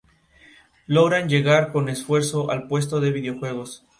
Cuando Minton regresó a su casa decidió dedicarse a la política.